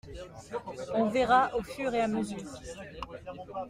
On verra au fur et à mesure.